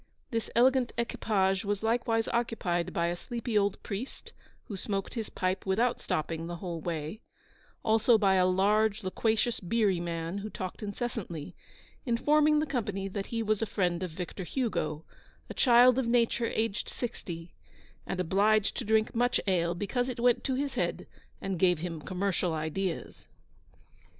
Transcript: This elegant equipage was likewise occupied by a sleepy old priest, who smoked his pipe without stopping the whole way; also by a large, loquacious, beery man, who talked incessantly, informing the company that he was a friend of Victor Hugo, a child of nature aged sixty, and obliged to drink much ale because it went to his head and gave him commercial ideas.